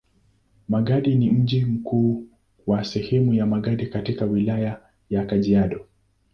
Magadi ni mji mkuu wa sehemu ya Magadi katika Wilaya ya Kajiado.